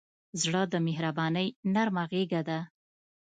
زړه د مهربانۍ نرمه غېږه ده.